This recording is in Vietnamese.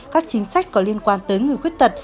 các chính sách có liên quan tới người khuyết tật